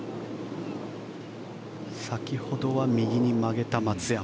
先ほどは右に曲げた松山。